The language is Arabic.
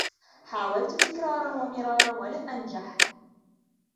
حاولت تكرارا و مرارا و لم أنجح.